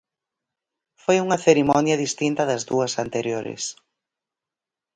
Foi unha cerimonia distinta das dúas anteriores.